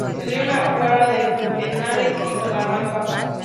Estudió en Alcalá de Henares y Salamanca.